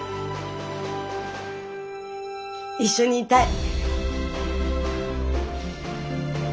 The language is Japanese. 一緒にいたい。